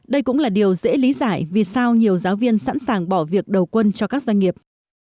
đây cũng là điều dễ lý giải vì sao nhiều giáo viên sẵn sàng bỏ việc đầu quân cho các doanh nghiệp